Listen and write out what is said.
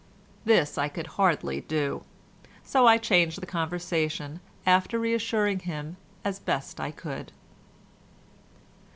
This I could hardly do, so I changed the conversation, after reassuring him as best I could.